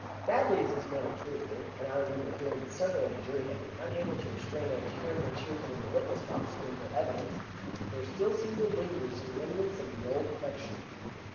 Badly as this man had treated her and I remember hearing that several of the jury had been unable to restrain their tears when she was in the witness box giving her evidence there still seemed to linger some remnants of the old affection.